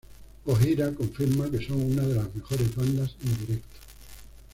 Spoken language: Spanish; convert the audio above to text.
Gojira confirma que son una de las mejores bandas en directo.